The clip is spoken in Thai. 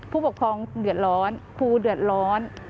ผู้ปกครองเดือดร้อนครูเดือดร้อน